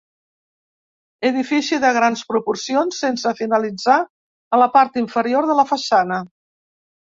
Edifici de grans proporcions, sense finalitzar a la part inferior de la façana.